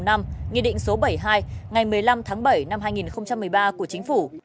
nghị định số bảy mươi hai ngày một mươi năm tháng bảy năm hai nghìn một mươi ba của chính phủ